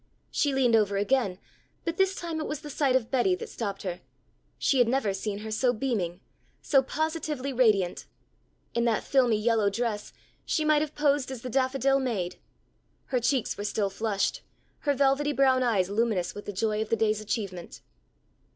She leaned over again, but this time it was the sight of Betty that stopped her. She had never seen her so beaming, so positively radiant. In that filmy yellow dress, she might have posed as the Daffodil Maid. Her cheeks were still flushed, her velvety brown eyes luminous with the joy of the day's achievement.